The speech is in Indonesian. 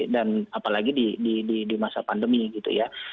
dan apalagi di masa pandemi gitu ya